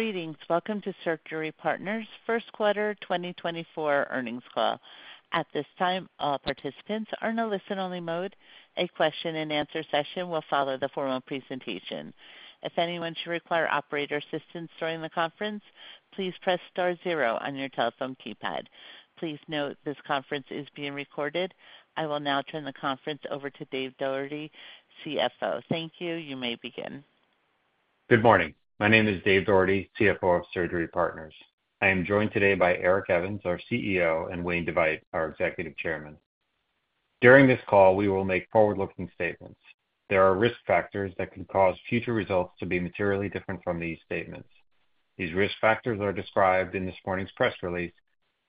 Greetings. Welcome to Surgery Partners' first quarter 2024 earnings call. At this time, all participants are in a listen-only mode. A question-and-answer session will follow the formal presentation. If anyone should require operator assistance during the conference, please press star zero on your telephone keypad. Please note this conference is being recorded. I will now turn the conference over to Dave Doherty, CFO. Thank you. You may begin. Good morning. My name is Dave Doherty, CFO of Surgery Partners. I am joined today by Eric Evans, our CEO, and Wayne DeVeydt, our Executive Chairman. During this call, we will make forward-looking statements. There are risk factors that can cause future results to be materially different from these statements. These risk factors are described in this morning's press release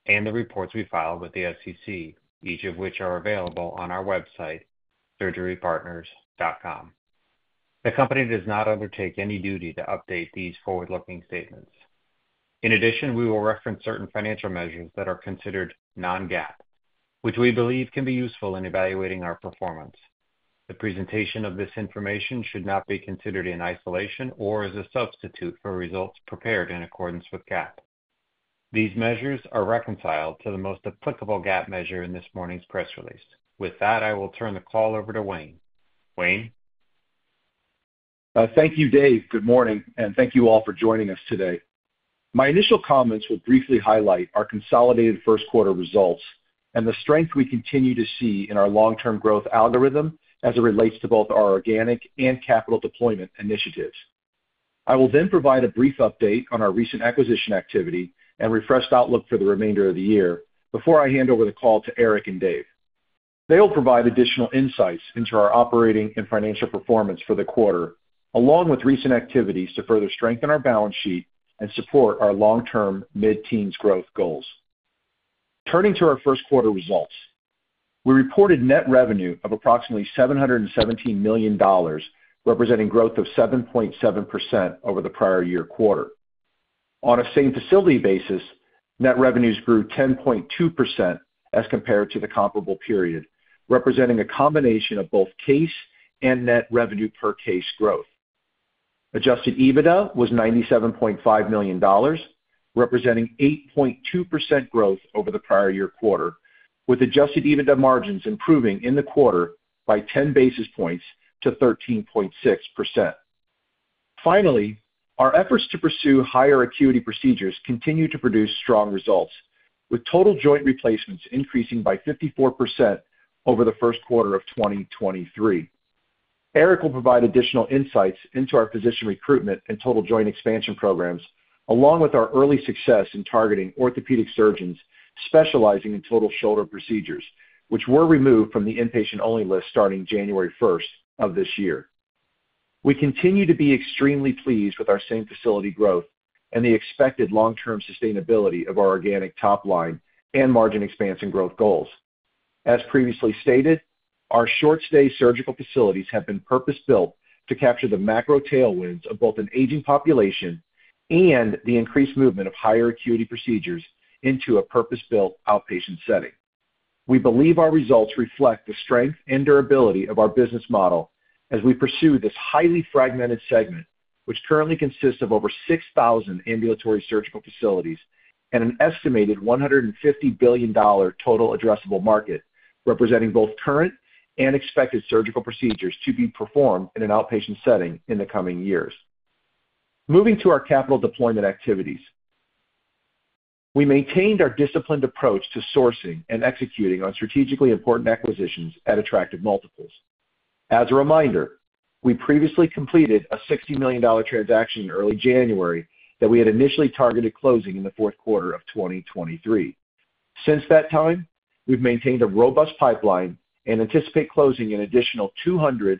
and the reports we filed with the SEC, each of which are available on our website, surgerypartners.com. The company does not undertake any duty to update these forward-looking statements. In addition, we will reference certain financial measures that are considered non-GAAP, which we believe can be useful in evaluating our performance. The presentation of this information should not be considered in isolation or as a substitute for results prepared in accordance with GAAP. These measures are reconciled to the most applicable GAAP measure in this morning's press release. With that, I will turn the call over to Wayne. Wayne? Thank you, Dave. Good morning, and thank you all for joining us today. My initial comments will briefly highlight our consolidated first quarter results and the strength we continue to see in our long-term growth algorithm as it relates to both our organic and capital deployment initiatives. I will then provide a brief update on our recent acquisition activity and refreshed outlook for the remainder of the year before I hand over the call to Eric and Dave. They will provide additional insights into our operating and financial performance for the quarter, along with recent activities to further strengthen our balance sheet and support our long-term mid-teens growth goals. Turning to our first quarter results, we reported net revenue of approximately $717 million, representing growth of 7.7% over the prior year quarter. On a same-facility basis, net revenues grew 10.2% as compared to the comparable period, representing a combination of both case and net revenue per case growth. Adjusted EBITDA was $97.5 million, representing 8.2% growth over the prior year quarter, with adjusted EBITDA margins improving in the quarter by 10 basis points to 13.6%. Finally, our efforts to pursue higher acuity procedures continue to produce strong results, with total joint replacements increasing by 54% over the first quarter of 2023. Eric will provide additional insights into our physician recruitment and total joint expansion programs, along with our early success in targeting orthopedic surgeons specializing in total shoulder procedures, which were removed from the inpatient-only list starting January first of this year. We continue to be extremely pleased with our same-facility growth and the expected long-term sustainability of our organic top line and margin expansion growth goals. As previously stated, our short-stay surgical facilities have been purpose-built to capture the macro tailwinds of both an aging population and the increased movement of higher acuity procedures into a purpose-built outpatient setting. We believe our results reflect the strength and durability of our business model as we pursue this highly fragmented segment, which currently consists of over 6,000 ambulatory surgical facilities and an estimated $150 billion total addressable market, representing both current and expected surgical procedures to be performed in an outpatient setting in the coming years. Moving to our capital deployment activities. We maintained our disciplined approach to sourcing and executing on strategically important acquisitions at attractive multiples. As a reminder, we previously completed a $60 million transaction in early January that we had initially targeted closing in the fourth quarter of 2023. Since that time, we've maintained a robust pipeline and anticipate closing an additional $200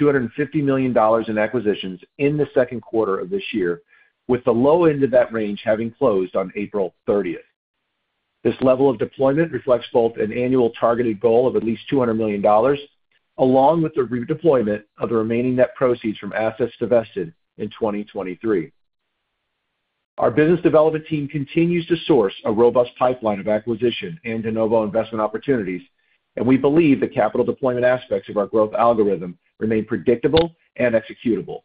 million-$250 million in acquisitions in the second quarter of this year, with the low end of that range having closed on April 30th. This level of deployment reflects both an annual targeted goal of at least $200 million, along with the redeployment of the remaining net proceeds from assets divested in 2023. Our business development team continues to source a robust pipeline of acquisition and de novo investment opportunities, and we believe the capital deployment aspects of our growth algorithm remain predictable and executable.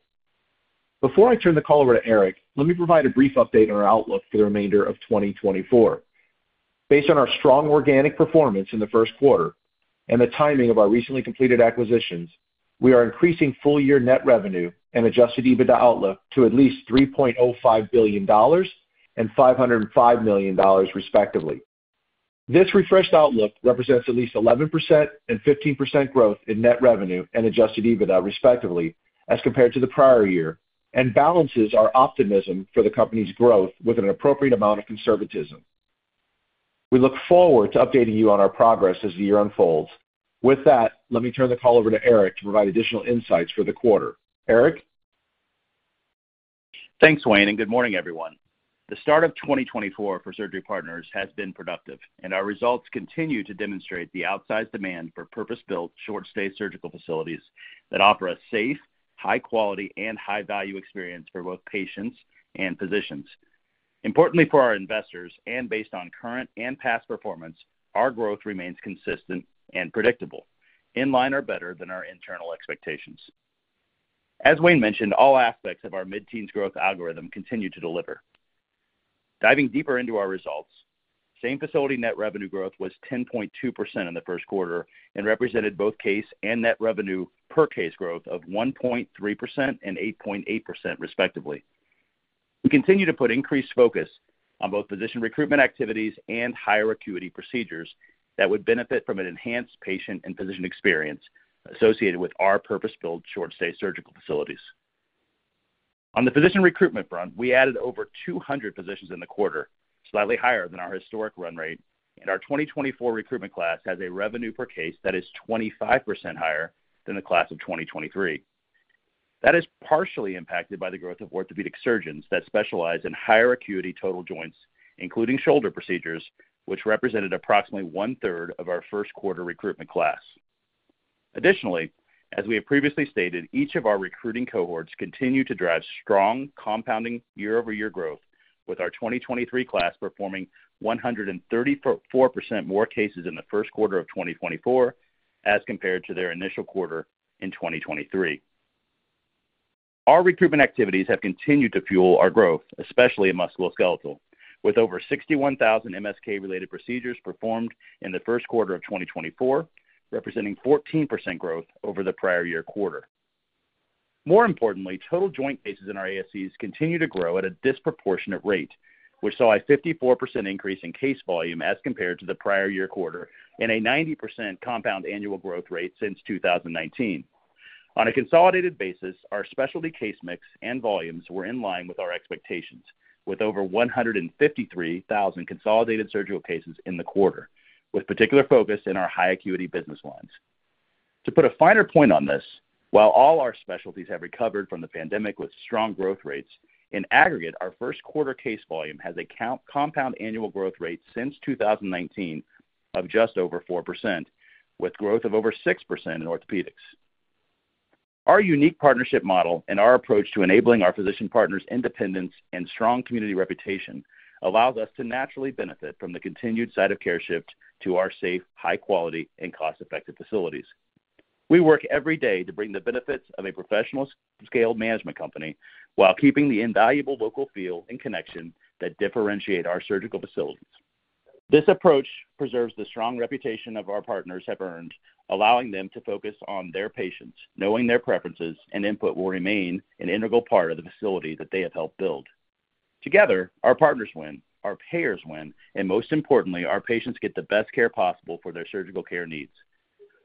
Before I turn the call over to Eric, let me provide a brief update on our outlook for the remainder of 2024. Based on our strong organic performance in the first quarter and the timing of our recently completed acquisitions, we are increasing full-year net revenue and Adjusted EBITDA outlook to at least $3.05 billion and $505 million, respectively. This refreshed outlook represents at least 11% and 15% growth in net revenue and Adjusted EBITDA, respectively, as compared to the prior year, and balances our optimism for the company's growth with an appropriate amount of conservatism. We look forward to updating you on our progress as the year unfolds. With that, let me turn the call over to Eric to provide additional insights for the quarter. Eric? Thanks, Wayne, and good morning, everyone. The start of 2024 for Surgery Partners has been productive, and our results continue to demonstrate the outsized demand for purpose-built, short-stay surgical facilities that offer a safe, high quality, and high-value experience for both patients and physicians.... Importantly for our investors, and based on current and past performance, our growth remains consistent and predictable, in line or better than our internal expectations. As Wayne mentioned, all aspects of our mid-teens growth algorithm continue to deliver. Diving deeper into our results, same-facility net revenue growth was 10.2% in the first quarter and represented both case and net revenue per case growth of 1.3% and 8.8%, respectively. We continue to put increased focus on both physician recruitment activities and higher acuity procedures that would benefit from an enhanced patient and physician experience associated with our purpose-built, short-stay surgical facilities. On the physician recruitment front, we added over 200 positions in the quarter, slightly higher than our historic run rate, and our 2024 recruitment class has a revenue per case that is 25% higher than the class of 2023. That is partially impacted by the growth of orthopedic surgeons that specialize in higher acuity total joints, including shoulder procedures, which represented approximately one-third of our first quarter recruitment class. Additionally, as we have previously stated, each of our recruiting cohorts continue to drive strong compounding year-over-year growth, with our 2023 class performing 134% more cases in the first quarter of 2024 as compared to their initial quarter in 2023. Our recruitment activities have continued to fuel our growth, especially in musculoskeletal, with over 61,000 MSK-related procedures performed in the first quarter of 2024, representing 14% growth over the prior year quarter. More importantly, total joint cases in our ASCs continue to grow at a disproportionate rate, which saw a 54% increase in case volume as compared to the prior year quarter and a 90% compound annual growth rate since 2019. On a consolidated basis, our specialty case mix and volumes were in line with our expectations, with over 153,000 consolidated surgical cases in the quarter, with particular focus in our high acuity business lines. To put a finer point on this, while all our specialties have recovered from the pandemic with strong growth rates, in aggregate, our first quarter case volume has a compound annual growth rate since 2019 of just over 4%, with growth of over 6% in orthopedics. Our unique partnership model and our approach to enabling our physician partners' independence and strong community reputation allows us to naturally benefit from the continued site of care shift to our safe, high quality and cost-effective facilities. We work every day to bring the benefits of a professional scale management company while keeping the invaluable local feel and connection that differentiate our surgical facilities. This approach preserves the strong reputation of our partners have earned, allowing them to focus on their patients, knowing their preferences and input will remain an integral part of the facility that they have helped build. Together, our partners win, our payers win, and most importantly, our patients get the best care possible for their surgical care needs.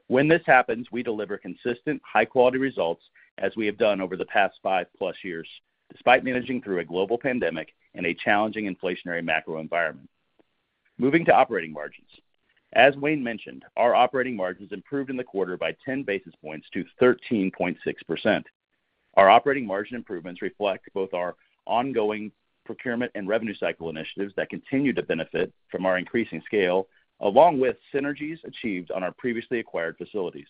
When this happens, we deliver consistent, high-quality results, as we have done over the past 5+ years, despite managing through a global pandemic and a challenging inflationary macro environment. Moving to operating margins. As Wayne mentioned, our operating margins improved in the quarter by 10 basis points to 13.6%. Our operating margin improvements reflect both our ongoing procurement and revenue cycle initiatives that continue to benefit from our increasing scale, along with synergies achieved on our previously acquired facilities.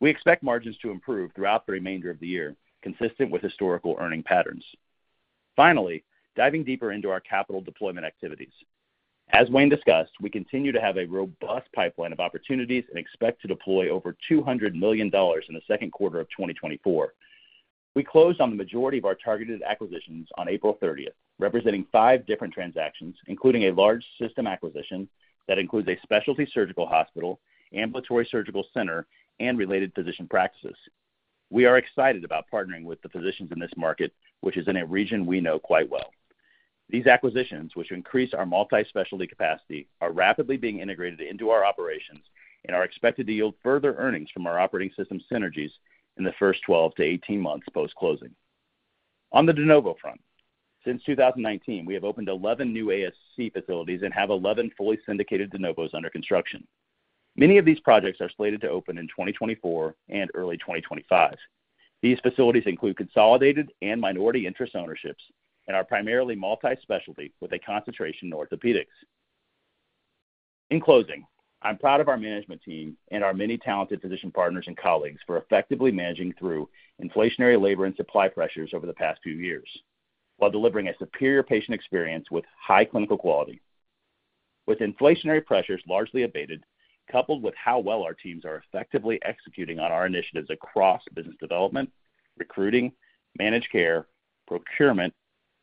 We expect margins to improve throughout the remainder of the year, consistent with historical earnings patterns. Finally, diving deeper into our capital deployment activities. As Wayne discussed, we continue to have a robust pipeline of opportunities and expect to deploy over $200 million in the second quarter of 2024. We closed on the majority of our targeted acquisitions on April 30th, representing five different transactions, including a large system acquisition that includes a specialty surgical hospital, ambulatory surgical center, and related physician practices. We are excited about partnering with the physicians in this market, which is in a region we know quite well. These acquisitions, which increase our multi-specialty capacity, are rapidly being integrated into our operations and are expected to yield further earnings from our operating system synergies in the first 12 to 18 months post-closing. On the de novo front, since 2019, we have opened 11 new ASC facilities and have 11 fully syndicated de novos under construction. Many of these projects are slated to open in 2024 and early 2025. These facilities include consolidated and minority interest ownerships and are primarily multi-specialty, with a concentration in orthopedics. In closing, I'm proud of our management team and our many talented physician partners and colleagues for effectively managing through inflationary labor and supply pressures over the past few years, while delivering a superior patient experience with high clinical quality. With inflationary pressures largely abated, coupled with how well our teams are effectively executing on our initiatives across business development, recruiting, managed care, procurement,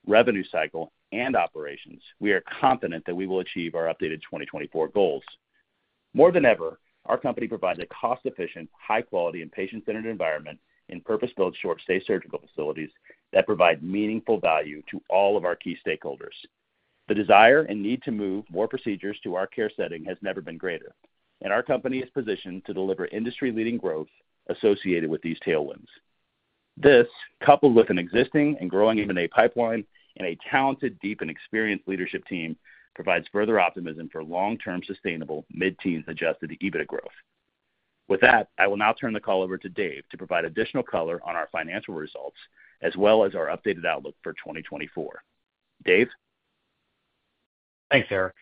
revenue cycle, and operations, we are confident that we will achieve our updated 2024 goals. More than ever, our company provides a cost-efficient, high quality and patient-centered environment in purpose-built, short-stay surgical facilities that provide meaningful value to all of our key stakeholders. The desire and need to move more procedures to our care setting has never been greater, and our company is positioned to deliver industry-leading growth associated with these tailwinds. This, coupled with an existing and growing M&A pipeline and a talented, deep, and experienced leadership team, provides further optimism for long-term, sustainable mid-teens Adjusted EBITDA growth. With that, I will now turn the call over to Dave to provide additional color on our financial results, as well as our updated outlook for 2024. Dave?... Thanks, Eric.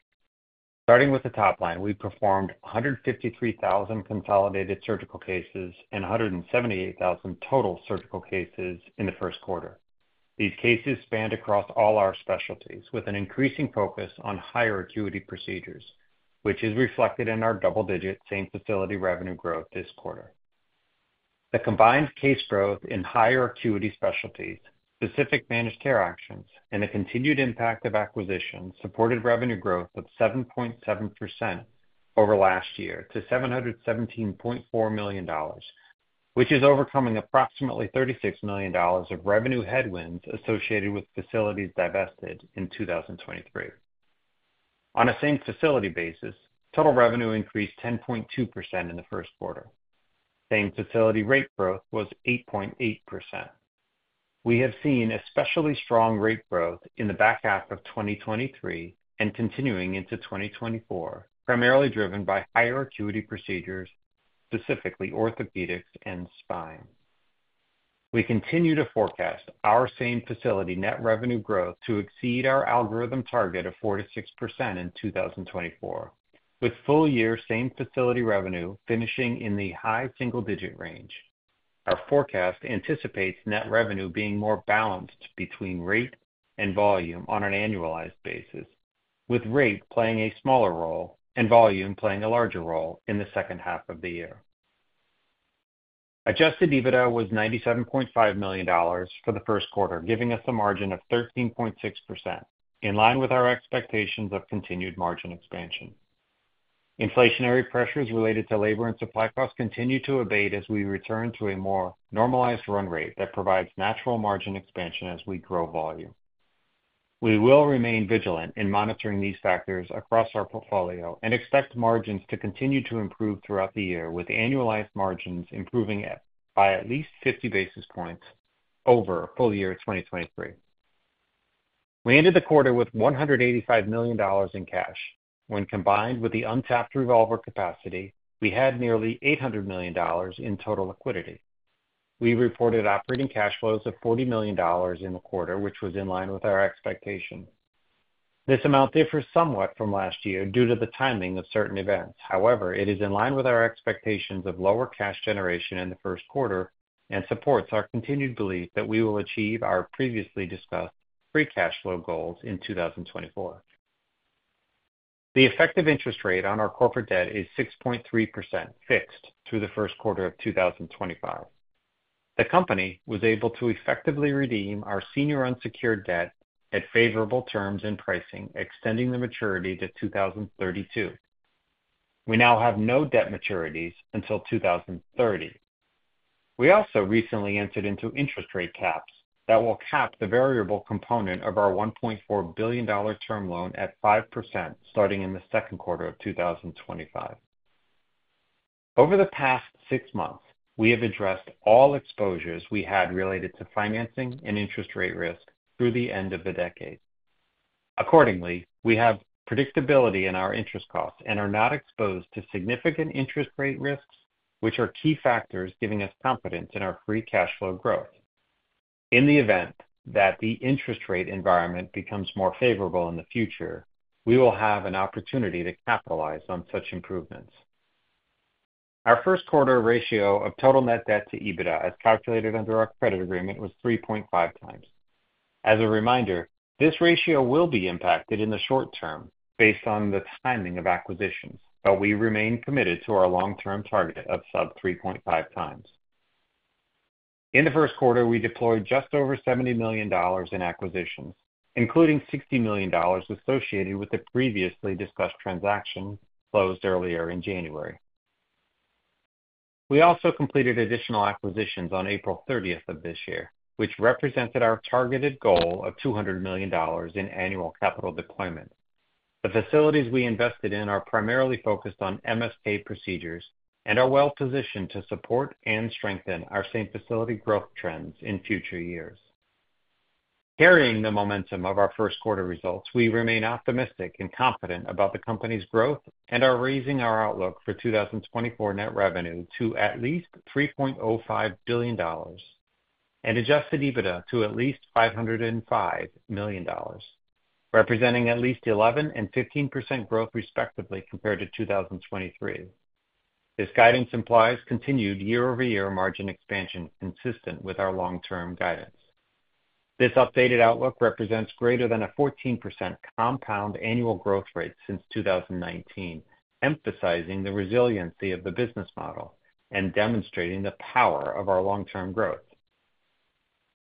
Starting with the top line, we performed 153,000 consolidated surgical cases and 178,000 total surgical cases in the first quarter. These cases spanned across all our specialties, with an increasing focus on higher acuity procedures, which is reflected in our double-digit same-facility revenue growth this quarter. The combined case growth in higher acuity specialties, specific managed care actions, and the continued impact of acquisitions supported revenue growth of 7.7% over last year to $717.4 million, which is overcoming approximately $36 million of revenue headwinds associated with facilities divested in 2023. On a same-facility basis, total revenue increased 10.2% in the first quarter. Same-facility rate growth was 8.8%. We have seen especially strong rate growth in the back half of 2023 and continuing into 2024, primarily driven by higher acuity procedures, specifically orthopedics and spine. We continue to forecast our same-facility net revenue growth to exceed our algorithm target of 4%-6% in 2024, with full year same-facility revenue finishing in the high single-digit range. Our forecast anticipates net revenue being more balanced between rate and volume on an annualized basis, with rate playing a smaller role and volume playing a larger role in the second half of the year. Adjusted EBITDA was $97.5 million for the first quarter, giving us a margin of 13.6%, in line with our expectations of continued margin expansion. Inflationary pressures related to labor and supply costs continue to abate as we return to a more normalized run rate that provides natural margin expansion as we grow volume. We will remain vigilant in monitoring these factors across our portfolio and expect margins to continue to improve throughout the year, with annualized margins improving at, by at least 50 basis points over full year 2023. We ended the quarter with $185 million in cash. When combined with the untapped revolver capacity, we had nearly $800 million in total liquidity. We reported operating cash flows of $40 million in the quarter, which was in line with our expectations. This amount differs somewhat from last year due to the timing of certain events. However, it is in line with our expectations of lower cash generation in the first quarter and supports our continued belief that we will achieve our previously discussed free cash flow goals in 2024. The effective interest rate on our corporate debt is 6.3% fixed through the first quarter of 2025. The company was able to effectively redeem our senior unsecured debt at favorable terms and pricing, extending the maturity to 2032. We now have no debt maturities until 2030. We also recently entered into interest rate caps that will cap the variable component of our $1.4 billion term loan at 5%, starting in the second quarter of 2025. Over the past six months, we have addressed all exposures we had related to financing and interest rate risk through the end of the decade. Accordingly, we have predictability in our interest costs and are not exposed to significant interest rate risks, which are key factors giving us confidence in our free cash flow growth. In the event that the interest rate environment becomes more favorable in the future, we will have an opportunity to capitalize on such improvements. Our first quarter ratio of total net debt to EBITDA, as calculated under our credit agreement, was 3.5x. As a reminder, this ratio will be impacted in the short term based on the timing of acquisitions, but we remain committed to our long-term target of sub-3.5x. In the first quarter, we deployed just over $70 million in acquisitions, including $60 million associated with the previously discussed transaction closed earlier in January. We also completed additional acquisitions on April 30th of this year, which represented our targeted goal of $200 million in annual capital deployment. The facilities we invested in are primarily focused on MSK procedures and are well positioned to support and strengthen our same-facility growth trends in future years. Carrying the momentum of our first quarter results, we remain optimistic and confident about the company's growth and are raising our outlook for 2024 net revenue to at least $3.05 billion and Adjusted EBITDA to at least $505 million, representing at least 11% and 15% growth, respectively, compared to 2023. This guidance implies continued year-over-year margin expansion consistent with our long-term guidance. This updated outlook represents greater than a 14% compound annual growth rate since 2019, emphasizing the resiliency of the business model and demonstrating the power of our long-term growth.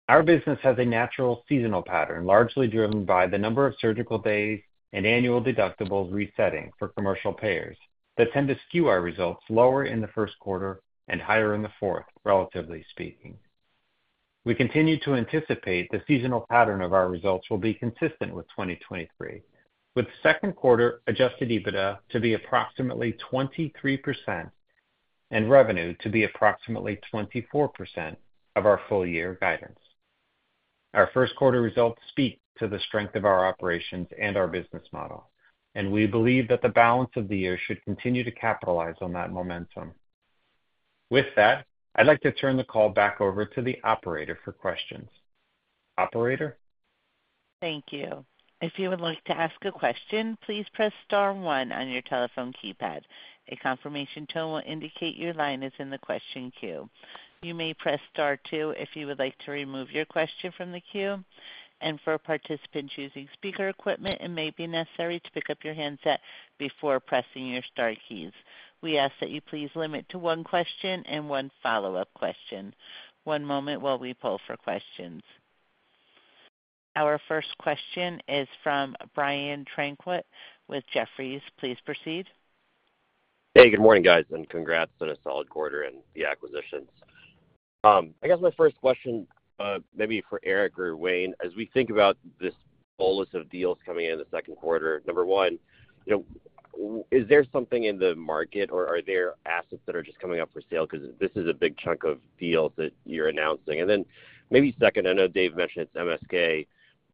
Our business has a natural seasonal pattern, largely driven by the number of surgical days and annual deductibles resetting for commercial payers that tend to skew our results lower in the first quarter and higher in the fourth, relatively speaking. We continue to anticipate the seasonal pattern of our results will be consistent with 2023, with second quarter Adjusted EBITDA to be approximately 23% and revenue to be approximately 24% of our full-year guidance. Our first quarter results speak to the strength of our operations and our business model, and we believe that the balance of the year should continue to capitalize on that momentum. ...With that, I'd like to turn the call back over to the operator for questions. Operator? Thank you. If you would like to ask a question, please press star one on your telephone keypad. A confirmation tone will indicate your line is in the question queue. You may press star two if you would like to remove your question from the queue, and for a participant choosing speaker equipment, it may be necessary to pick up your handset before pressing your star keys. We ask that you please limit to one question and one follow-up question. One moment while we pull for questions. Our first question is from Brian Tanquilut with Jefferies. Please proceed. Hey, good morning, guys, and congrats on a solid quarter and the acquisitions. I guess my first question, maybe for Eric or Wayne, as we think about this bolus of deals coming in the second quarter, number one, you know, is there something in the market or are there assets that are just coming up for sale? Because this is a big chunk of deals that you're announcing. And then maybe second, I know Dave mentioned it's MSK,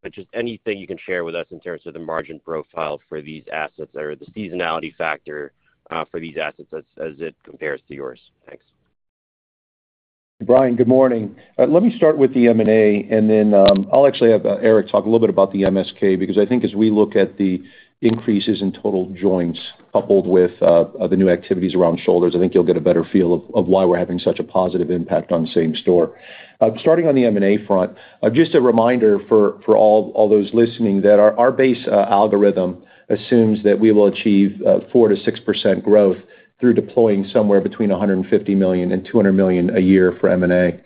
but just anything you can share with us in terms of the margin profile for these assets or the seasonality factor, for these assets as, as it compares to yours? Thanks. Brian, good morning. Let me start with the M&A, and then, I'll actually have Eric talk a little bit about the MSK. Because I think as we look at the increases in total joints, coupled with the new activities around shoulders, I think you'll get a better feel of why we're having such a positive impact on same store. Starting on the M&A front, just a reminder for all those listening, that our base algorithm assumes that we will achieve 4%-6% growth through deploying somewhere between $150 million and $200 million a year for M&A.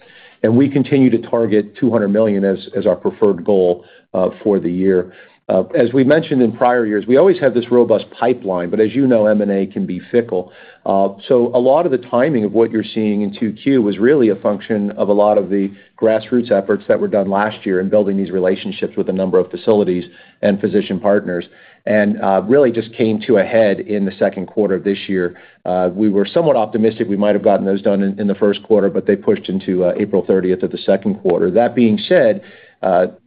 And we continue to target $200 million as our preferred goal for the year. As we've mentioned in prior years, we always have this robust pipeline, but as you know, M&A can be fickle. So a lot of the timing of what you're seeing in 2Q was really a function of a lot of the grassroots efforts that were done last year in building these relationships with a number of facilities and physician partners, and really just came to a head in the second quarter of this year. We were somewhat optimistic we might have gotten those done in the first quarter, but they pushed into April 30th of the second quarter. That being said,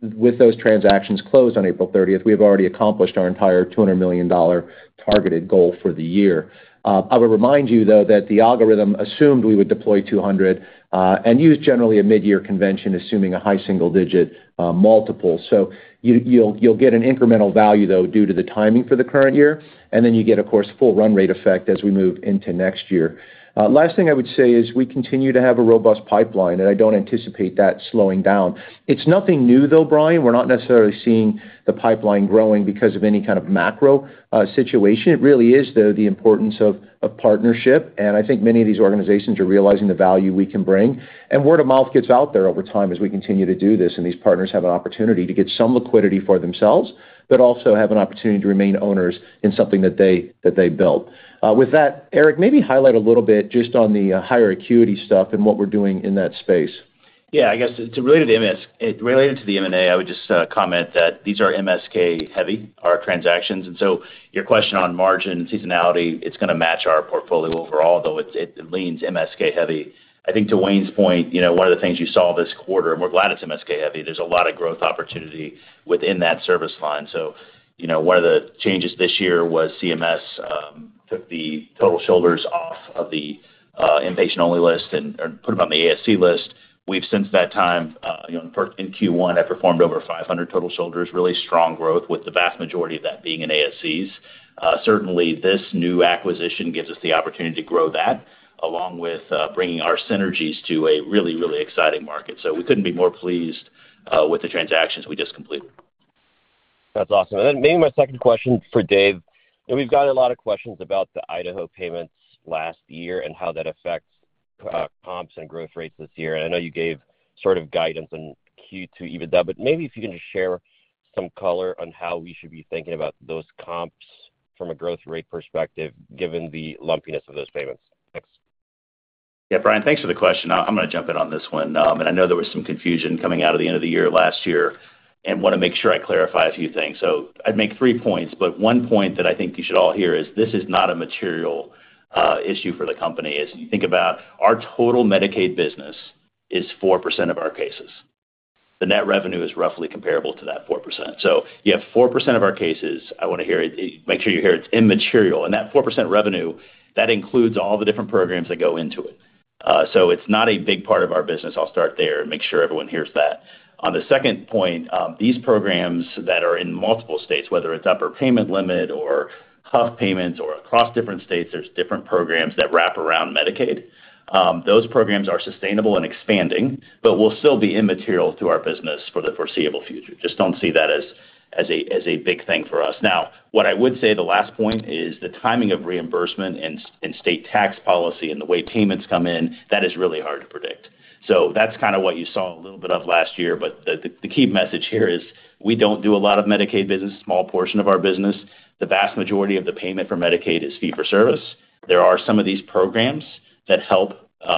with those transactions closed on April 30th, we have already accomplished our entire $200 million targeted goal for the year. I will remind you, though, that the algorithm assumed we would deploy 200, and use generally a mid-year convention, assuming a high single-digit multiple. So you, you'll, you'll get an incremental value, though, due to the timing for the current year, and then you get, of course, full run rate effect as we move into next year. Last thing I would say is we continue to have a robust pipeline, and I don't anticipate that slowing down. It's nothing new, though, Brian. We're not necessarily seeing the pipeline growing because of any kind of macro situation. It really is, though, the importance of partnership, and I think many of these organizations are realizing the value we can bring. Word of mouth gets out there over time as we continue to do this, and these partners have an opportunity to get some liquidity for themselves, but also have an opportunity to remain owners in something that they, that they built. With that, Eric, maybe highlight a little bit just on the higher acuity stuff and what we're doing in that space. Yeah, I guess related to the M&A, I would just comment that these are MSK heavy, our transactions, and so your question on margin and seasonality, it's gonna match our portfolio overall, though it leans MSK heavy. I think to Wayne's point, you know, one of the things you saw this quarter, and we're glad it's MSK heavy, there's a lot of growth opportunity within that service line. So, you know, one of the changes this year was CMS took the total shoulders off of the inpatient-only list and put them on the ASC list. We've, since that time, you know, in Q1, have performed over 500 total shoulders, really strong growth, with the vast majority of that being in ASCs. Certainly, this new acquisition gives us the opportunity to grow that, along with bringing our synergies to a really, really exciting market. So we couldn't be more pleased with the transactions we just completed. That's awesome. And then maybe my second question for Dave, and we've gotten a lot of questions about the Idaho payments last year and how that affects, comps and growth rates this year. I know you gave sort of guidance on Q2 with that, but maybe if you can just share some color on how we should be thinking about those comps from a growth rate perspective, given the lumpiness of those payments. Thanks. Yeah, Brian, thanks for the question. I'm gonna jump in on this one. And I know there was some confusion coming out of the end of the year last year and wanna make sure I clarify a few things. So I'd make three points, but one point that I think you should all hear is this is not a material issue for the company. As you think about our total Medicaid business is 4% of our cases. The net revenue is roughly comparable to that 4%. So you have 4% of our cases, I wanna hear it, make sure you hear it, it's immaterial. And that 4% revenue, that includes all the different programs that go into it. So it's not a big part of our business. I'll start there and make sure everyone hears that. On the second point, these programs that are in multiple states, whether it's Upper Payment Limit or HAF payments or across different states, there's different programs that wrap around Medicaid. Those programs are sustainable and expanding, but will still be immaterial to our business for the foreseeable future. Just don't see that as a big thing for us. Now, what I would say, the last point is the timing of reimbursement and state tax policy and the way payments come in, that is really hard to predict. So that's kind of what you saw a little bit of last year, but the key message here is we don't do a lot of Medicaid business, small portion of our business. The vast majority of the payment for Medicaid is fee for service. There are some of these programs that help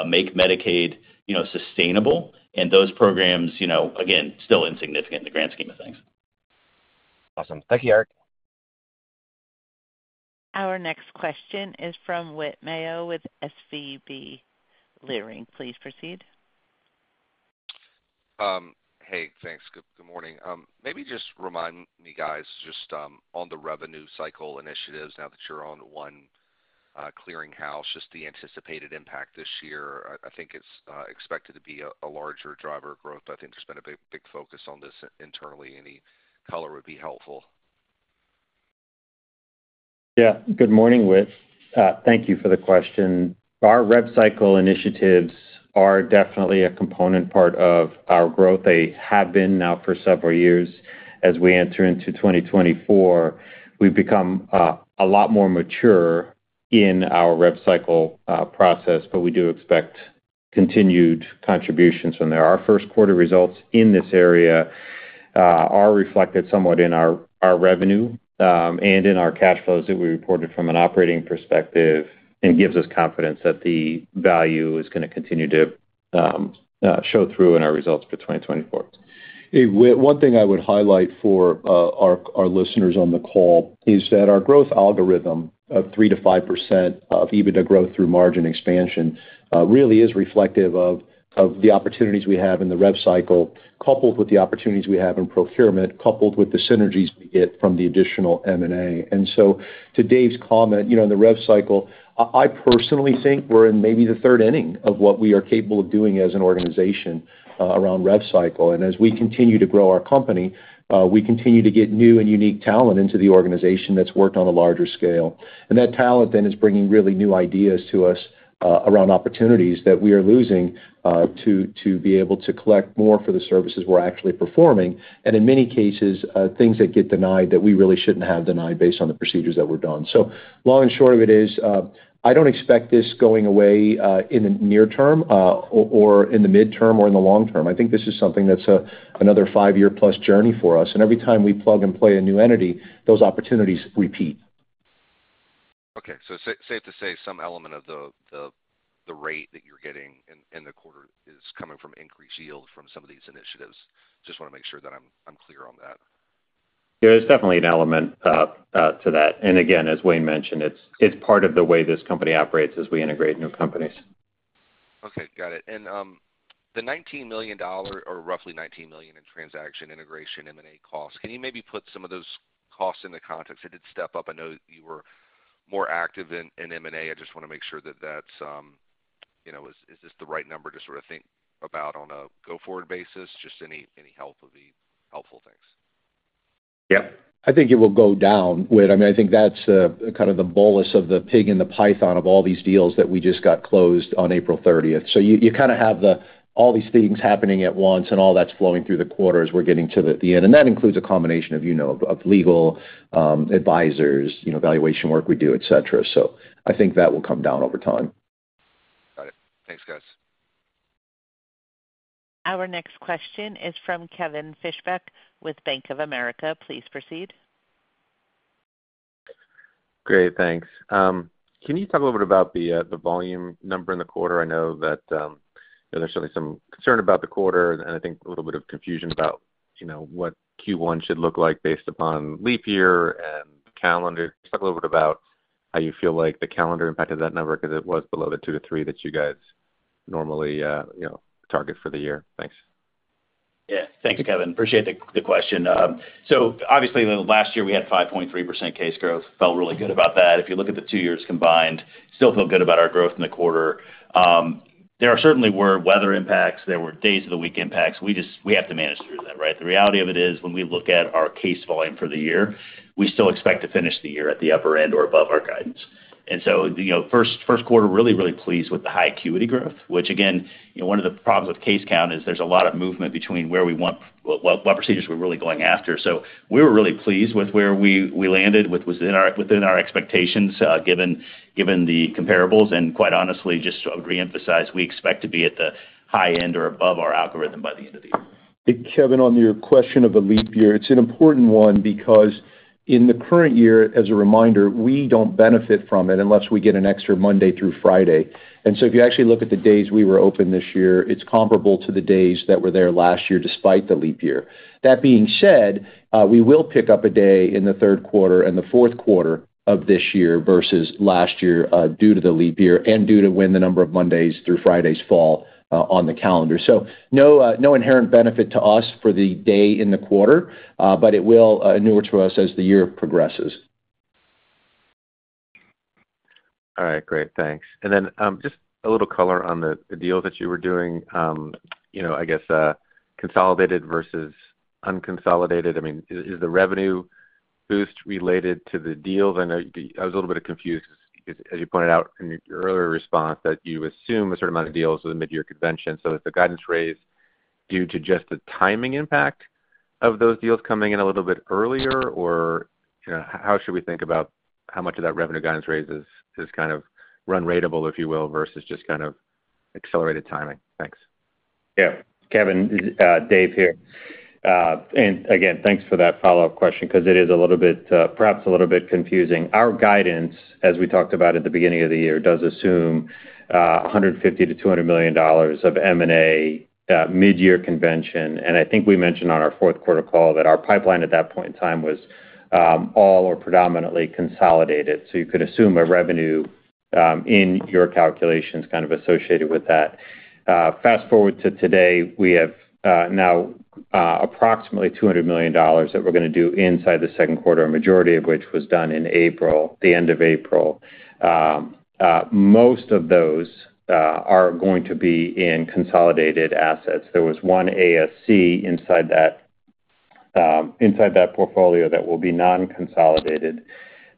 make Medicaid, you know, sustainable, and those programs, you know, again, still insignificant in the grand scheme of things. Awesome. Thank you, Eric. Our next question is from Whit Mayo with Leerink Partners. Please proceed. Hey, thanks. Good morning. Maybe just remind me, guys, just on the revenue cycle initiatives, now that you're on one clearinghouse, just the anticipated impact this year. I think it's expected to be a larger driver of growth. I think there's been a big focus on this internally. Any color would be helpful. Yeah. Good morning, Whit. Thank you for the question. Our rev cycle initiatives are definitely a component part of our growth. They have been now for several years. As we enter into 2024, we've become a lot more mature in our rev cycle process, but we do expect continued contributions from there. Our first quarter results in this area are reflected somewhat in our revenue and in our cash flows that we reported from an operating perspective, and gives us confidence that the value is gonna continue to show through in our results for 2024. Hey, Whit, one thing I would highlight for our listeners on the call is that our growth algorithm of 3%-5% of EBITDA growth through margin expansion really is reflective of the opportunities we have in the rev cycle, coupled with the opportunities we have in procurement, coupled with the synergies we get from the additional M&A. And so to Dave's comment, you know, in the rev cycle, I personally think we're in maybe the third inning of what we are capable of doing as an organization around rev cycle. And as we continue to grow our company, we continue to get new and unique talent into the organization that's worked on a larger scale. That talent then is bringing really new ideas to us around opportunities that we are losing to be able to collect more for the services we're actually performing, and in many cases things that get denied that we really shouldn't have denied based on the procedures that were done. So long and short of it is, I don't expect this going away in the near term or in the midterm or in the long term. I think this is something that's another five-year-plus journey for us, and every time we plug and play a new entity, those opportunities repeat. Okay. So safe to say, some element of the rate that you're getting in the quarter is coming from increased yield from some of these initiatives. Just wanna make sure that I'm clear on that. There is definitely an element to that. And again, as Wayne mentioned, it's part of the way this company operates as we integrate new companies. Okay, got it. And, the $19 million, or roughly $19 million in transaction integration M&A costs, can you maybe put some of those costs into context? It did step up. I know you were more active in, in M&A. I just wanna make sure that that's, you know, is, is this the right number to sort of think about on a go-forward basis? Just any, any help would be helpful. Thanks. Yep. I think it will go down, Whit. I mean, I think that's kind of the bolus of the pig in the python of all these deals that we just got closed on April 30th. So you, you kinda have all these things happening at once, and all that's flowing through the quarter as we're getting to the end, and that includes a combination of, you know, of legal advisors, you know, valuation work we do, et cetera. So I think that will come down over time. Got it. Thanks, guys. Our next question is from Kevin Fischbeck with Bank of America. Please proceed. Great, thanks. Can you talk a little bit about the, the volume number in the quarter? I know that, you know, there's certainly some concern about the quarter, and I think a little bit of confusion about, you know, what Q1 should look like based upon leap year and calendar. Just talk a little bit about how you feel like the calendar impacted that number, 'cause it was below the 2-3 that you guys normally, you know, target for the year. Thanks. Yeah. Thanks, Kevin. Appreciate the question. So obviously, last year, we had 5.3% case growth. Felt really good about that. If you look at the two years combined, still feel good about our growth in the quarter. There certainly were weather impacts, there were days-of-the-week impacts. We just, we have to manage through that, right? The reality of it is, when we look at our case volume for the year, we still expect to finish the year at the upper end or above our guidance. And so, you know, first quarter, really, really pleased with the high acuity growth, which again, you know, one of the problems with case count is there's a lot of movement between where we want, well, what procedures we're really going after. So we were really pleased with where we landed, which was within our expectations, given the comparables, and quite honestly, just to reemphasize, we expect to be at the high end or above our algorithm by the end of the year. Hey, Kevin, on your question of the leap year, it's an important one because in the current year, as a reminder, we don't benefit from it unless we get an extra Monday through Friday. And so if you actually look at the days we were open this year, it's comparable to the days that were there last year, despite the leap year. That being said, we will pick up a day in the third quarter and the fourth quarter of this year versus last year, due to the leap year and due to when the number of Mondays through Fridays fall, on the calendar. So no, no inherent benefit to us for the day in the quarter, but it will inure to us as the year progresses. All right, great, thanks. And then, just a little color on the deal that you were doing, you know, I guess, consolidated versus unconsolidated. I mean, is the revenue boost related to the deal? Then, I was a little bit confused because as you pointed out in your earlier response, that you assume a certain amount of deals with the mid-year convention. So is the guidance raise due to just the timing impact of those deals coming in a little bit earlier? Or, you know, how should we think about how much of that revenue guidance raise is kind of run ratable, if you will, versus just kind of accelerated timing? Thanks. Yeah. Kevin, Dave here. And again, thanks for that follow-up question because it is a little bit, perhaps a little bit confusing. Our guidance, as we talked about at the beginning of the year, does assume, $150 million-$200 million of M&A, mid-year convention, and I think we mentioned on our fourth quarter call that our pipeline at that point in time was, all or predominantly consolidated. So you could assume in your calculations kind of associated with that. Fast-forward to today, we have, now, approximately $200 million that we're going to do inside the second quarter, a majority of which was done in April, the end of April. Most of those, are going to be in consolidated assets. There was one ASC inside that, inside that portfolio that will be non-consolidated.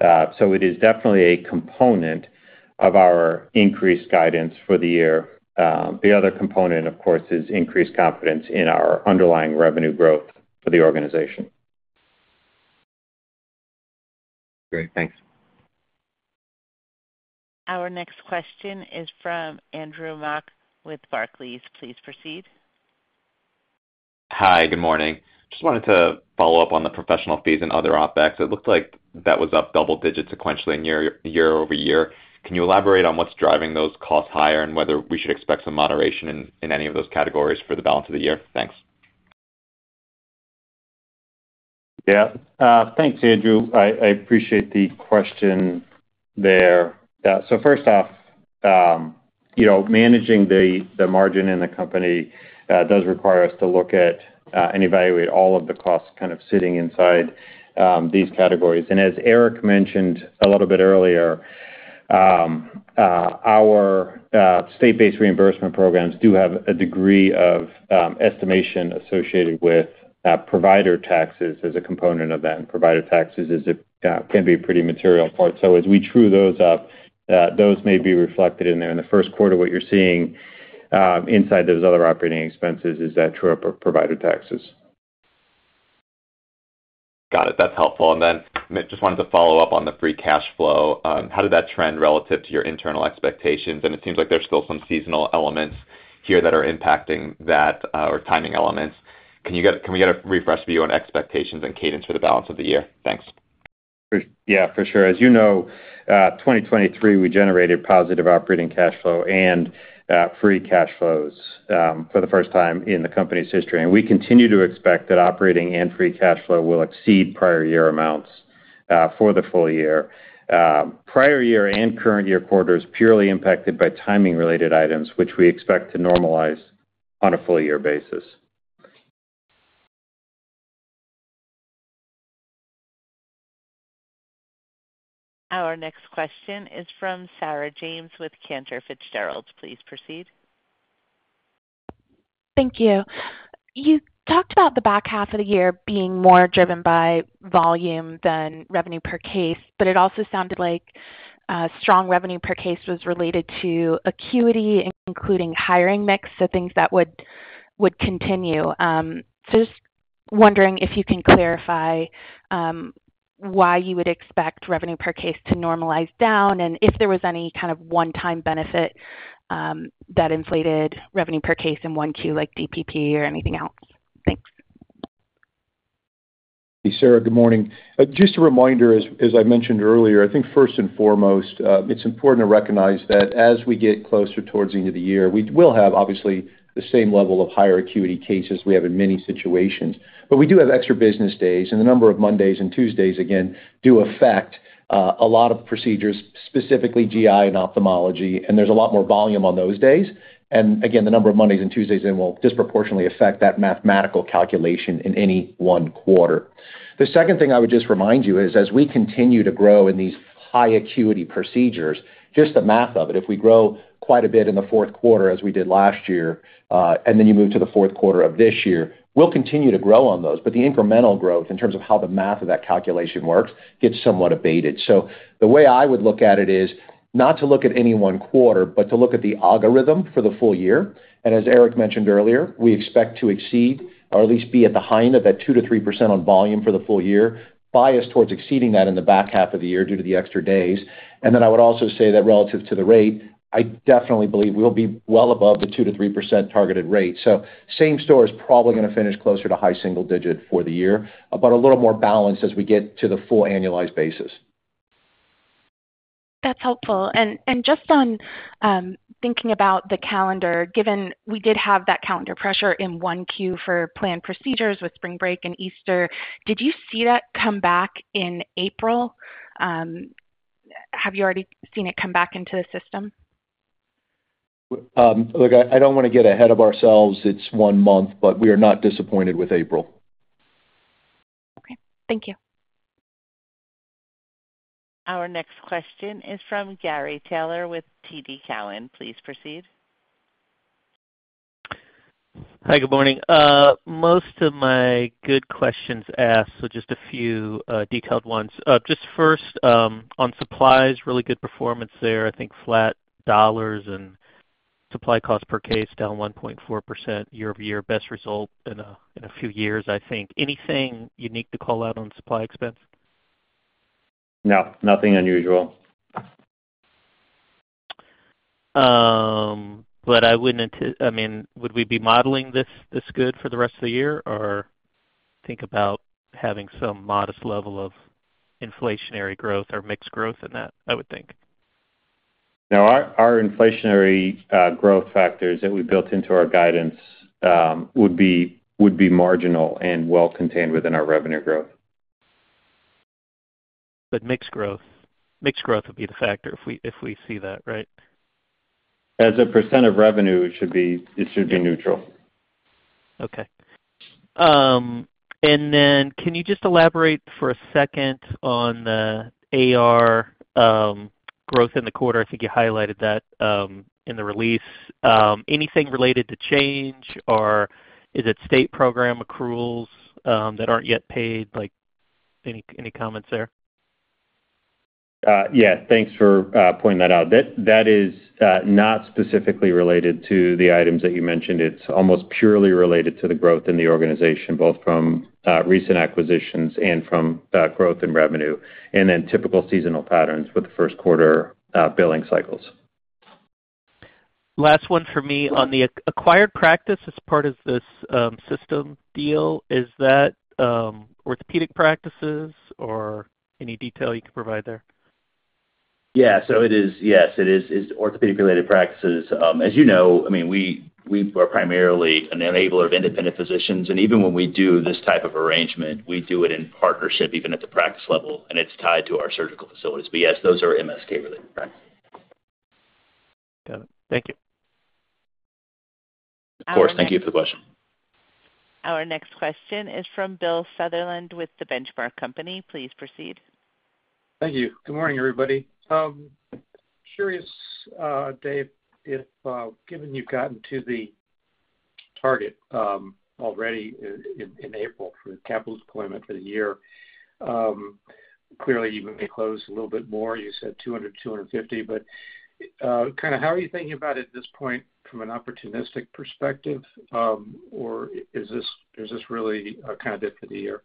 So it is definitely a component of our increased guidance for the year. The other component, of course, is increased confidence in our underlying revenue growth for the organization. Great, thanks. Our next question is from Andrew Mok with Barclays. Please proceed. Hi, good morning. Just wanted to follow up on the professional fees and other OpEx. It looked like that was up double digits sequentially and year-over-year. Can you elaborate on what's driving those costs higher, and whether we should expect some moderation in any of those categories for the balance of the year? Thanks. Yeah, thanks, Andrew. I appreciate the question there. So first off, you know, managing the margin in the company does require us to look at and evaluate all of the costs kind of sitting inside these categories. And as Eric mentioned a little bit earlier, our state-based reimbursement programs do have a degree of estimation associated with provider taxes as a component of that, and provider taxes can be a pretty material part. So as we true those up, those may be reflected in there. In the first quarter, what you're seeing inside those other operating expenses is that true up of provider taxes. Got it. That's helpful. And then, just wanted to follow up on the free cash flow. How did that trend relative to your internal expectations? And it seems like there's still some seasonal elements here that are impacting that, or timing elements. Can we get a refresh view on expectations and cadence for the balance of the year? Thanks. Yeah, for sure. As you know, 2023, we generated positive operating cash flow and free cash flows for the first time in the company's history. We continue to expect that operating and free cash flow will exceed prior year amounts for the full year. Prior year and current year quarters, purely impacted by timing-related items, which we expect to normalize on a full year basis. Our next question is from Sarah James with Cantor Fitzgerald. Please proceed. Thank you. You talked about the back half of the year being more driven by volume than revenue per case, but it also sounded like strong revenue per case was related to acuity, including payer mix, so things that would continue. So just wondering if you can clarify why you would expect revenue per case to normalize down, and if there was any kind of one-time benefit that inflated revenue per case in 1Q, like DPP or anything else? Thanks. Sarah, good morning. Just a reminder, as I mentioned earlier, I think first and foremost, it's important to recognize that as we get closer towards the end of the year, we will have, obviously, the same level of higher acuity cases we have in many situations. But we do have extra business days, and the number of Mondays and Tuesdays again, do affect a lot of procedures, specifically GI and ophthalmology, and there's a lot more volume on those days. And again, the number of Mondays and Tuesdays then will disproportionately affect that mathematical calculation in any one quarter. The second thing I would just remind you is, as we continue to grow in these high acuity procedures, just the math of it, if we grow quite a bit in the fourth quarter, as we did last year, and then you move to the fourth quarter of this year, we'll continue to grow on those. But the incremental growth in terms of how the math of that calculation works, gets somewhat abated. So the way I would look at it is, not to look at any one quarter, but to look at the algorithm for the full year. And as Eric mentioned earlier, we expect to exceed or at least be at the high end of that 2%-3% on volume for the full year, biased towards exceeding that in the back half of the year due to the extra days. And then I would also say that relative to the rate, I definitely believe we'll be well above the 2%-3% targeted rate. So same store is probably going to finish closer to high single digit for the year, but a little more balanced as we get to the full annualized basis. That's helpful. And just on thinking about the calendar, given we did have that calendar pressure in Q1 for planned procedures with spring break and Easter, did you see that come back in April? Have you already seen it come back into the system? Look, I don't want to get ahead of ourselves. It's one month, but we are not disappointed with April. Okay, thank you. Our next question is from Gary Taylor with TD Cowen. Please proceed. Hi, good morning. Most of my good questions asked, so just a few detailed ones. Just first, on supplies, really good performance there. I think flat dollars and supply costs per case down 1.4% year-over-year. Best result in a few years, I think. Anything unique to call out on supply expense? No, nothing unusual. But I wouldn't... I mean, would we be modeling this, this good for the rest of the year, or think about having some modest level of inflationary growth or mixed growth in that? I would think. No, our inflationary growth factors that we built into our guidance would be marginal and well contained within our revenue growth. ... But mix growth, mix growth would be the factor if we, if we see that, right? As a % of revenue, it should be, it should be neutral. Okay. And then can you just elaborate for a second on the AR growth in the quarter? I think you highlighted that in the release. Anything related to change, or is it state program accruals that aren't yet paid? Like, any comments there? Yeah, thanks for pointing that out. That is not specifically related to the items that you mentioned. It's almost purely related to the growth in the organization, both from recent acquisitions and from growth in revenue, and then typical seasonal patterns with the first quarter billing cycles. Last one for me. On the acquired practice as part of this, system deal, is that, orthopedic practices or any detail you can provide there? Yeah. So it is, yes, it is, it's orthopedic-related practices. As you know, I mean, we, we are primarily an enabler of independent physicians, and even when we do this type of arrangement, we do it in partnership, even at the practice level, and it's tied to our surgical facilities. But yes, those are MSK-related practices. Got it. Thank you. Of course. Thank you for the question. Our next question is from Bill Sutherland with The Benchmark Company. Please proceed. Thank you. Good morning, everybody. Curious, Dave, if, given you've gotten to the target, already in April for the capital deployment for the year, clearly, you may close a little bit more. You said $200-$250. But, kinda how are you thinking about it at this point from an opportunistic perspective, or is this, is this really, kind of it for the year?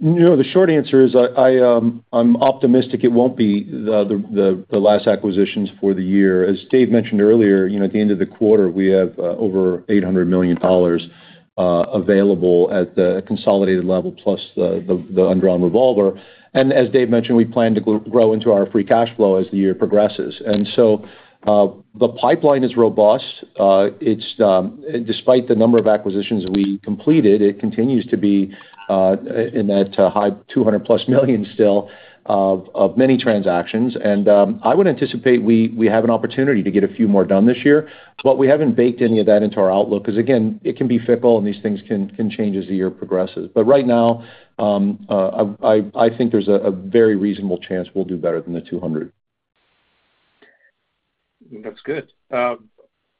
No, the short answer is I'm optimistic it won't be the last acquisitions for the year. As Dave mentioned earlier, you know, at the end of the quarter, we have over $800 million available at the consolidated level plus the undrawn revolver. And as Dave mentioned, we plan to grow into our free cash flow as the year progresses. And so, the pipeline is robust. It's despite the number of acquisitions we completed, it continues to be in that high $200+ million still, of many transactions. And I would anticipate we have an opportunity to get a few more done this year, but we haven't baked any of that into our outlook. Because, again, it can be fickle, and these things can change as the year progresses. But right now, I think there's a very reasonable chance we'll do better than the $200. That's good.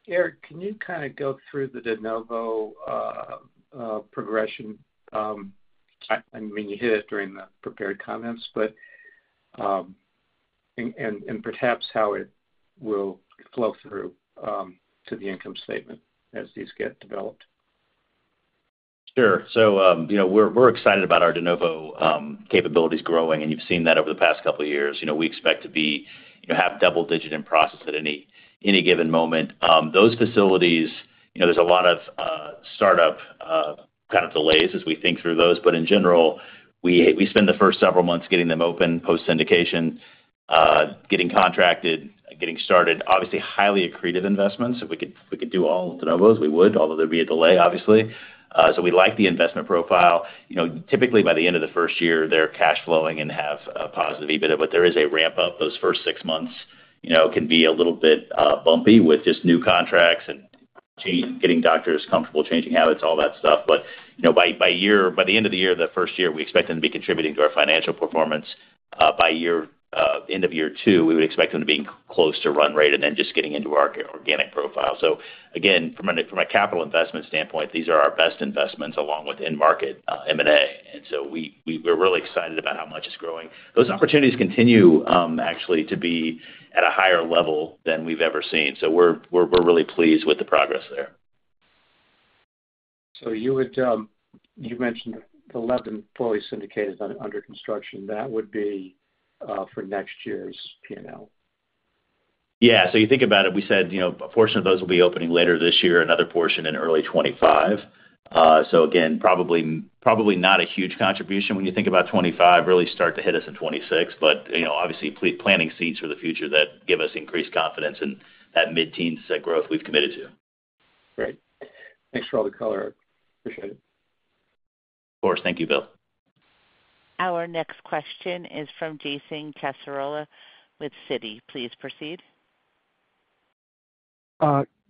Eric, can you kinda go through the de novo progression? And when you hit it during the prepared comments, but and perhaps how it will flow through to the income statement as these get developed. Sure. So, you know, we're excited about our de novo capabilities growing, and you've seen that over the past couple of years. You know, we expect to have double-digit in process at any given moment. Those facilities, you know, there's a lot of startup kind of delays as we think through those, but in general, we spend the first several months getting them open, post syndication, getting contracted, getting started. Obviously, highly accretive investments. If we could, we could do all de novos, we would, although there'd be a delay, obviously. So we like the investment profile. You know, typically, by the end of the first year, they're cash flowing and have a positive EBITDA, but there is a ramp-up. Those first six months, you know, can be a little bit bumpy with just new contracts and change, getting doctors comfortable, changing habits, all that stuff. But, you know, by the end of the year, the first year, we expect them to be contributing to our financial performance. By the end of year two, we would expect them to be close to run rate and then just getting into our organic profile. So again, from a capital investment standpoint, these are our best investments along with end market M&A. And so we're really excited about how much it's growing. Those opportunities continue, actually, to be at a higher level than we've ever seen, so we're really pleased with the progress there. You would, you mentioned the 11 fully syndicated under construction. That would be, for next year's P&L? Yeah. So you think about it, we said, you know, a portion of those will be opening later this year, another portion in early 25. So again, probably, probably not a huge contribution when you think about 25, really start to hit us in 26. But, you know, obviously, planning seeds for the future that give us increased confidence in that mid-teens percent growth we've committed to. Great. Thanks for all the color. Appreciate it. Of course. Thank you, Bill. Our next question is from Jason Cassorla with Citi. Please proceed.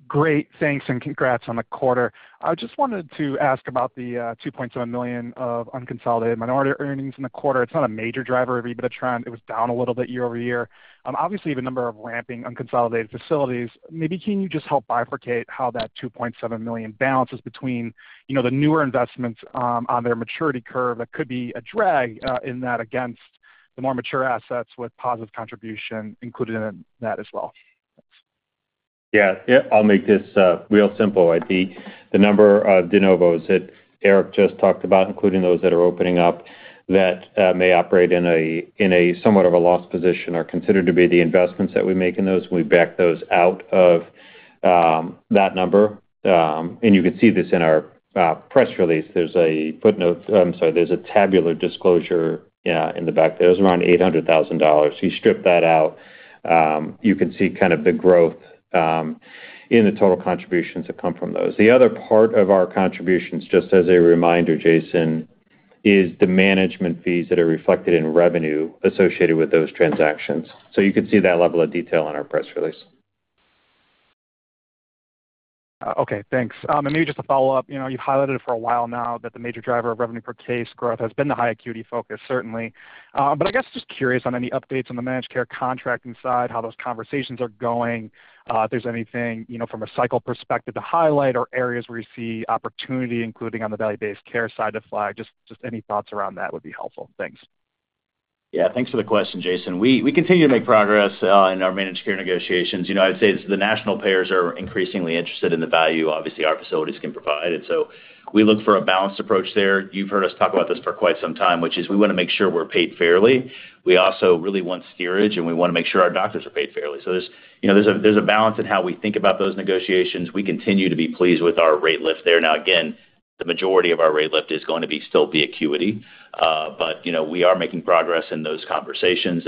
Great. Thanks, and congrats on the quarter. I just wanted to ask about the $2.7 million of unconsolidated minority earnings in the quarter. It's not a major driver of EBITDA trend. It was down a little bit year-over-year. Obviously, you have a number of ramping unconsolidated facilities. Maybe can you just help bifurcate how that $2.7 million balances between, you know, the newer investments on their maturity curve that could be a drag in that against the more mature assets with positive contribution included in that as well? Yeah. Yeah, I'll make this real simple. The number of de novos that Eric just talked about, including those that are opening up, that may operate in a somewhat of a loss position, are considered to be the investments that we make in those. We back those out of that number. And you can see this in our press release. There's a footnote. I'm sorry, there's a tabular disclosure in the back there. There's around $800,000. So you strip that out.... You can see kind of the growth in the total contributions that come from those. The other part of our contributions, just as a reminder, Jason, is the management fees that are reflected in revenue associated with those transactions. So you can see that level of detail on our press release. Okay, thanks. And maybe just a follow-up. You know, you've highlighted it for a while now that the major driver of revenue per case growth has been the high acuity focus, certainly. But I guess just curious on any updates on the managed care contracting side, how those conversations are going, if there's anything, you know, from a cycle perspective to highlight or areas where you see opportunity, including on the value-based care side, to flag. Just any thoughts around that would be helpful. Thanks. Yeah, thanks for the question, Jason. We, we continue to make progress in our managed care negotiations. You know, I'd say the national payers are increasingly interested in the value, obviously, our facilities can provide, and so we look for a balanced approach there. You've heard us talk about this for quite some time, which is we wanna make sure we're paid fairly. We also really want steerage, and we wanna make sure our doctors are paid fairly. So there's, you know, there's a balance in how we think about those negotiations. We continue to be pleased with our rate lift there. Now, again, the majority of our rate lift is going to be still be acuity, but, you know, we are making progress in those conversations.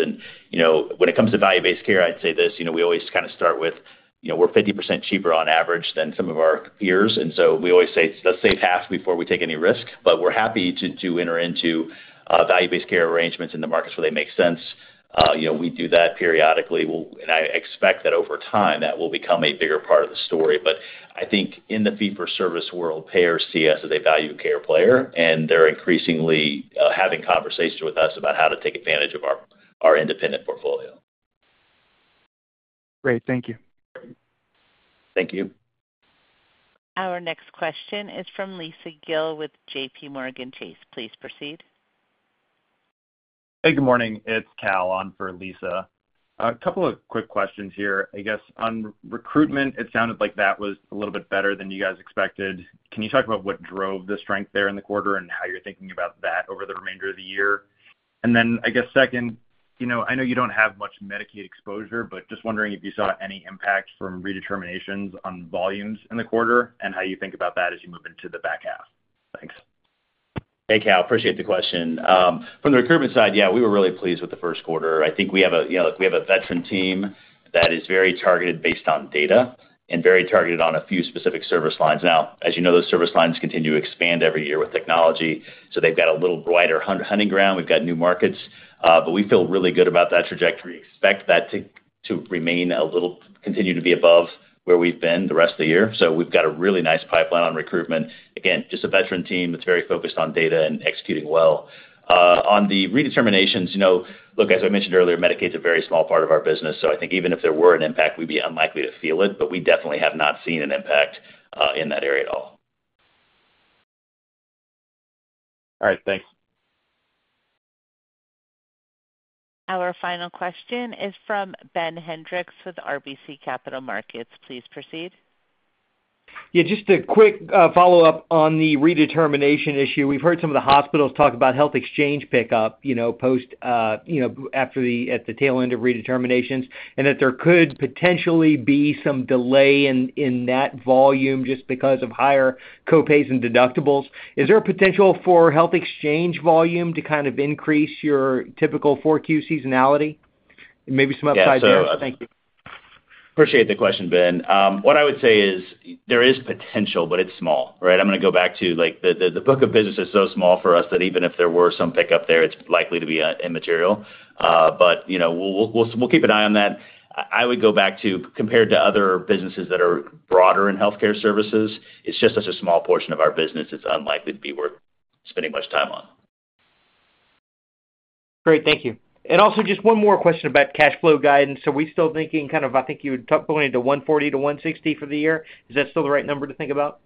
You know, when it comes to value-based care, I'd say this: you know, we always kind of start with, you know, we're 50% cheaper on average than some of our peers, and so we always say, "Let's save half before we take any risk." But we're happy to enter into value-based care arrangements in the markets where they make sense. You know, we do that periodically. And I expect that over time, that will become a bigger part of the story. But I think in the fee-for-service world, payers see us as a value care player, and they're increasingly having conversations with us about how to take advantage of our independent portfolio. Great. Thank you. Thank you. Our next question is from Lisa Gill with JPMorgan. Please proceed. Hey, good morning. It's Cal on for Lisa. A couple of quick questions here. I guess on recruitment, it sounded like that was a little bit better than you guys expected. Can you talk about what drove the strength there in the quarter and how you're thinking about that over the remainder of the year? And then, I guess second, you know, I know you don't have much Medicaid exposure, but just wondering if you saw any impact from redeterminations on volumes in the quarter and how you think about that as you move into the back half. Thanks. Hey, Cal, appreciate the question. From the recruitment side, yeah, we were really pleased with the first quarter. I think we have a, you know, look, we have a veteran team that is very targeted based on data and very targeted on a few specific service lines. Now, as you know, those service lines continue to expand every year with technology, so they've got a little broader hunting ground. We've got new markets, but we feel really good about that trajectory. Expect that to remain a little... Continue to be above where we've been the rest of the year. So we've got a really nice pipeline on recruitment. Again, just a veteran team that's very focused on data and executing well. On the redeterminations, you know, look, as I mentioned earlier, Medicaid is a very small part of our business, so I think even if there were an impact, we'd be unlikely to feel it, but we definitely have not seen an impact in that area at all. All right, thanks. Our final question is from Ben Hendrix with RBC Capital Markets. Please proceed. Yeah, just a quick follow-up on the redetermination issue. We've heard some of the hospitals talk about health exchange pickup, you know, post, you know, after the at the tail end of redeterminations, and that there could potentially be some delay in that volume just because of higher co-pays and deductibles. Is there a potential for health exchange volume to kind of increase your typical 4Q seasonality? Maybe some upside there. Yeah, so- Thank you. Appreciate the question, Ben. What I would say is there is potential, but it's small, right? I'm gonna go back to, like, the book of business is so small for us that even if there were some pickup there, it's likely to be immaterial. But, you know, we'll keep an eye on that. I would go back to, compared to other businesses that are broader in healthcare services, it's just such a small portion of our business, it's unlikely to be worth spending much time on. Great. Thank you. And also, just one more question about cash flow guidance. Are we still thinking, kind of I think you were talking going into $140 million-$160 million for the year? Is that still the right number to think about?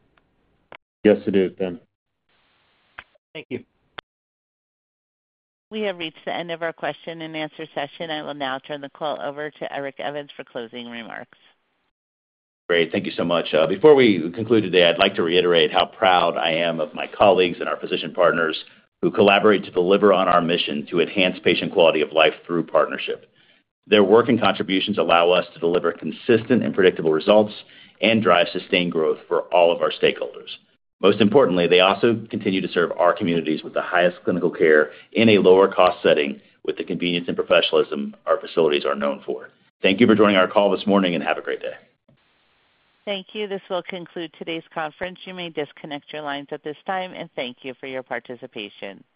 Yes, it is, Ben. Thank you. We have reached the end of our question-and-answer session. I will now turn the call over to Eric Evans for closing remarks. Great. Thank you so much. Before we conclude today, I'd like to reiterate how proud I am of my colleagues and our physician partners, who collaborate to deliver on our mission to enhance patient quality of life through partnership. Their work and contributions allow us to deliver consistent and predictable results and drive sustained growth for all of our stakeholders. Most importantly, they also continue to serve our communities with the highest clinical care in a lower cost setting, with the convenience and professionalism our facilities are known for. Thank you for joining our call this morning, and have a great day. Thank you. This will conclude today's conference. You may disconnect your lines at this time, and thank you for your participation.